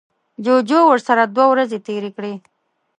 جوجو ورسره دوه ورځې تیرې کړې.